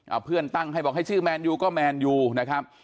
เอาเพื่อนตั้งให้บอกให้ชื่อแมนยูก็แมนยูนะครับ